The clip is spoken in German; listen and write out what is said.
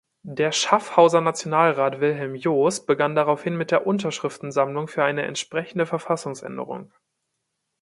Der Schaffhauser Nationalrat Wilhelm Joos begann daraufhin mit der Unterschriftensammlung für eine entsprechende Verfassungsänderung.